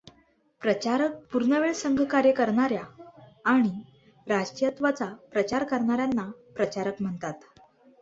प्रचारक पूर्णवेळ संघकार्य करणाऱ्या आणि राष्ट्रीयत्वाचा प्रचार करणार्यांना प्रचारक म्हणतात.